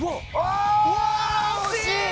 うわ、惜しい！